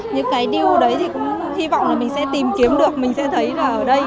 những cái điều đấy thì cũng hy vọng là mình sẽ tìm kiếm được mình sẽ thấy là ở đây